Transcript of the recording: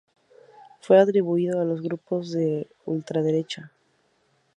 Fue atribuido a grupos de ultraderecha.